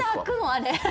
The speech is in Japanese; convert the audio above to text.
あれ。